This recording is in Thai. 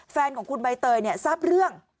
แฟนของคุณใบเตยทราบเรื่อง